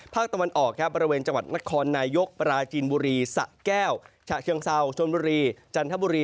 ตะวันออกครับบริเวณจังหวัดนครนายกปราจีนบุรีสะแก้วฉะเชิงเซาชนบุรีจันทบุรี